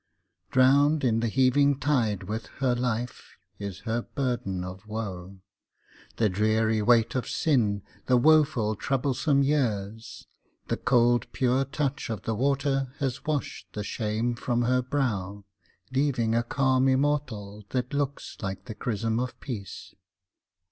Drowned in the heaving tide with her life, is her burden of woe, The dreary weight of sin, the woeful, troublesome years, The cold pure touch of the water has washed the shame from her brow Leaving a calm immortal, that looks like the chrism of peace.